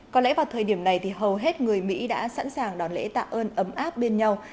có lẽ vào thời điểm này thì hầu hết người mỹ đã sẵn sàng đón lễ tạ ơn ấm áp bên nhau